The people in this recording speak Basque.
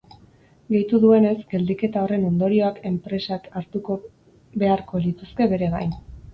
Gehitu duenez, geldiketa horren ondorioak enpresak hartuko beharko lituzke bere gain.